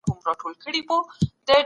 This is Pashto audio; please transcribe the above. ایډیالوژي باید د پوهي مخه ونه نیسي.